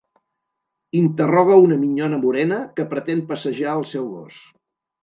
Interroga una minyona morena que pretén passejar el seu gos.